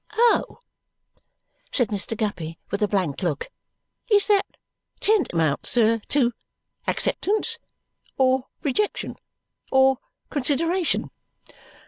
"Oh!" said Mr. Guppy with a blank look. "Is that tantamount, sir, to acceptance, or rejection, or consideration?"